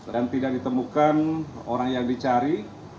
dan tidak ditemukan orang yang dicari